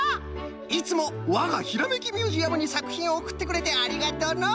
いつもわがひらめきミュージアムにさくひんをおくってくれてありがとの！